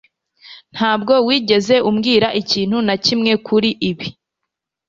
Ntabwo wigeze umbwira ikintu na kimwe kuri ibi.